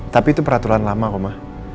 tapi itu peraturan lama kok ma